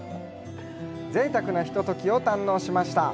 ぜいたくなひとときを堪能しました。